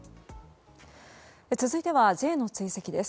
続いてはＪの追跡です。